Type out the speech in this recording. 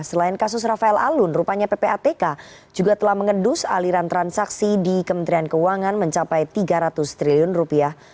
selain kasus rafael alun rupanya ppatk juga telah mengendus aliran transaksi di kementerian keuangan mencapai tiga ratus triliun rupiah